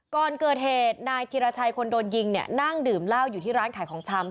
ก่อนเกิดเหตุนายธิรชัยคนโดนยิงเนี่ยนั่งดื่มเหล้าอยู่ที่ร้านขายของชำ